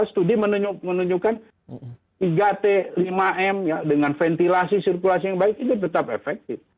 studi menunjukkan tiga t lima m dengan ventilasi sirkulasi yang baik itu tetap efektif